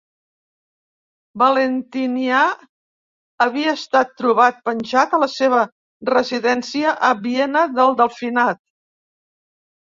Valentinià havia estat trobat penjat a la seva residència a Viena del Delfinat.